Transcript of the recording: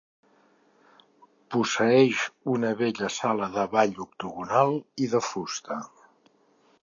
Posseeix una bella sala de ball octogonal i de fusta.